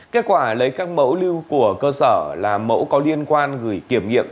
kết quả lấy các mẫu lưu của cơ sở là mẫu có liên quan gửi kiểm nghiệm